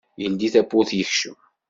Yeldi tawwurt yekcem.